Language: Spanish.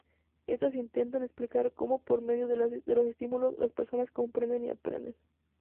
Estas intentan explicar como por medio de los estímulos las personas comprenden y aprenden.